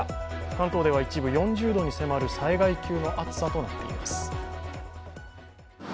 関東では一部４０度に迫る災害級の暑さとなっています。